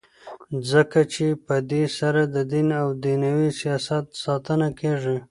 ځکه چي په دی سره ددین او دینوي سیاست ساتنه کیږي.